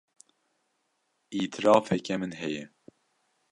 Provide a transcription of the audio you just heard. Îtirafeke min heye.